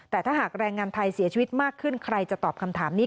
แต่ถ้าหากแรงงานไทยเสียชีวิตมากขึ้นใครจะตอบคำถามนี้